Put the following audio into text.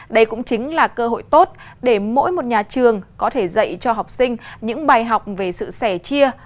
đây cũng chính là cơ hội tốt để mỗi một nhà trường có thể dạy cho học sinh những bài học về sự sẻ chia